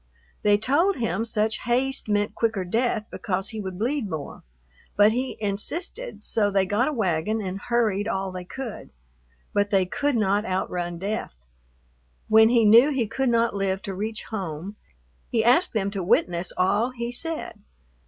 They told him such haste meant quicker death because he would bleed more; but he insisted, so they got a wagon and hurried all they could. But they could not outrun death. When he knew he could not live to reach home, he asked them to witness all he said.